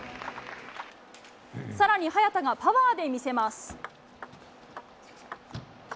更に、早田がパワーで魅せます。